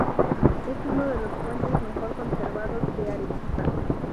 Es uno de los puentes mejor conservados de Arequipa.